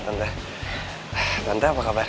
tante apa kabar